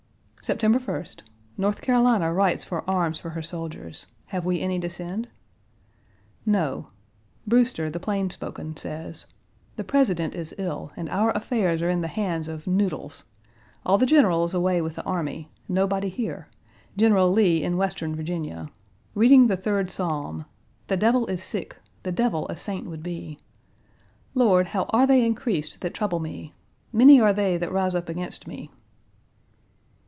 September 1st. North Carolina writes for arms for her soldiers. Have we any to send? No. Brewster, the plainspoken, says, "The President is ill, and our affairs are in the hands of noodles. All the generals away with the army; nobody here; General Lee in Western Virginia. Reading the third Psalm. The devil is sick, the devil a Page 125 saint would be. Lord, how are they increased that trouble me? Many are they that rise up against me!"